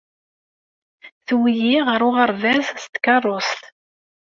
Tewwi-iyi ɣer uɣerbaz s tkeṛṛust.